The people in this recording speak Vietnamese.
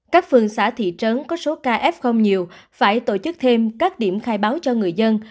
các phường xã thị trấn có số ca f nhiều phải tổ chức thêm các điểm khai báo cho người dân